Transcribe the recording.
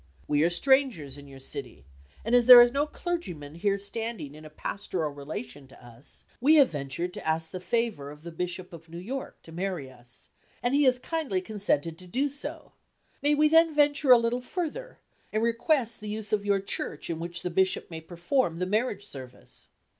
We are strangers in your city, and as there is no clergymen here standing in a pastoral relation to us, we have ventured to ask the favor of the bishop of New York to marry us, and he has kindly consented to do so; may we then venture a little further, and request the use of your church in which the bishop may perform the marriage service?